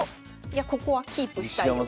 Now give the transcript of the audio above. いやここはキープしたいよと。